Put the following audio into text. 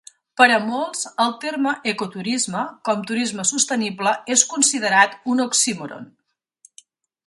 Per a molts, el terme "ecoturisme", com "turisme sostenible", és considerat un oxímoron.